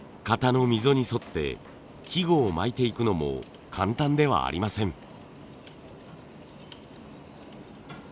型の溝に沿ってひごを巻いていくのも簡単ではありません。